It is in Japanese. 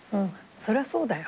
そりゃそうだよ。